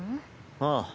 ああ。